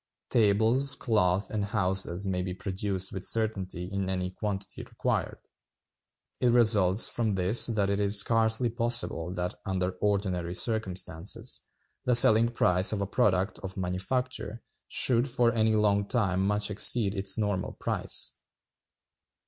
Tables, cloth, and houses may be produced with certainty in any quantity required. It results from this that it is scarcely possible that, under ordinary circumstances, the selling price of a product of manufacture should for any long time much exceed its normal price.